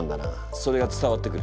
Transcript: それが伝わってくる。